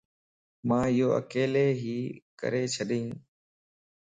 مان ايو اڪيلي ھي ڪري ڇڏين